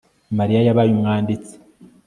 Mariya yabaye umwanditsi